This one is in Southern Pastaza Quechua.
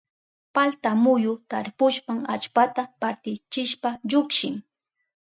Palta muyu tarpushpan allpata partichishpa llukshin.